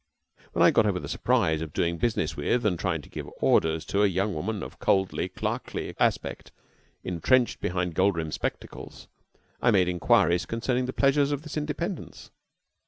When I had got over the surprise of doing business with and trying to give orders to a young woman of coldly, clerkly aspect intrenched behind gold rimmed spectacles, I made inquiries concerning the pleasures of this independence.